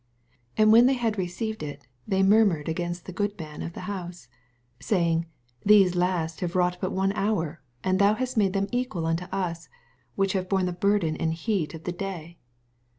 11 And when the^ had received U, thev murmured against the goodman of the house, 12 Saying, These last have wrought but one hour, and thou hast made them equal unto us, which have borne the burden and heat of the dav.